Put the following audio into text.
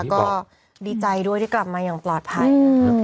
ก็ดีใจด้วยที่กลับมาอย่างปลอดภัยนะครับ